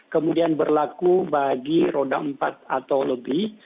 kemudian berlaku bagi roda empat atau lebih